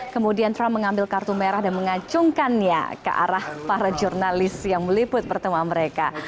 kemudian trump mengambil kartu merah dan mengacungkannya ke arah para jurnalis yang meliput pertemuan mereka